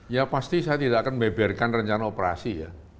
ya pasti saya tidak akan membeberkan rencana operasi ya